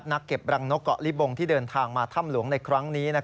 นักเก็บรังนกเกาะลิบงที่เดินทางมาถ้ำหลวงในครั้งนี้